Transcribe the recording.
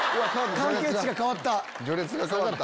関係値が変わった！